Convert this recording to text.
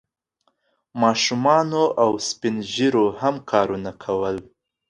ماشومانو او سپین ږیرو هم کارونه کول.